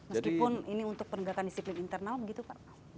meskipun ini untuk penegakan disiplin internal begitu pak